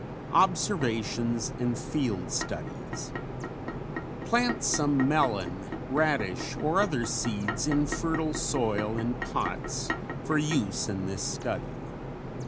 OBSERVATIONS AND FIELD STUDIES Plant some melon, radish or other seeds in fertile soil in pots for use in this study.